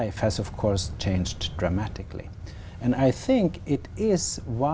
và họ muốn tạo ra một cộng đồng tự do